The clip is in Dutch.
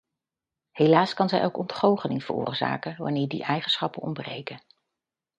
Helaas kan zij ook ontgoocheling veroorzaken wanneer die eigenschappen ontbreken.